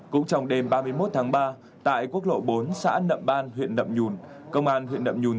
cũng trong đêm ba mươi một tháng ba tại quốc lộ bốn xã nậm ban huyện nậm nhùn